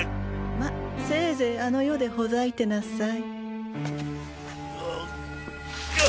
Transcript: ませいぜいあの世でほざいてなさい。